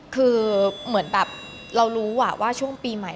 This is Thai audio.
คือเหมือนแบบเรารู้ว่าช่วงปีใหม่